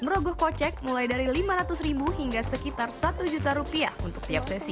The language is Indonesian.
merogoh kocek mulai dari lima ratus ribu hingga sekitar satu juta rupiah untuk tiap sesi